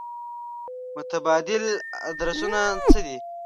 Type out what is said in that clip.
متبادل ادرسونه څه دي.